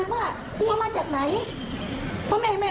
เอาลูกนี้ไปสัมผัสอาหารแพลนไปเลย